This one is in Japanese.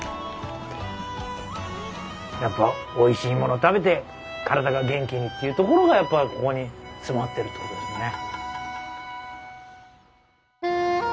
やっぱおいしいもの食べて体が元気にっていうところがやっぱここに詰まってるってことですよね。